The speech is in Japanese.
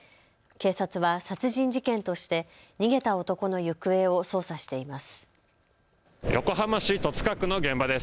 警察は殺人事件として逃げた男の行方を捜査しています。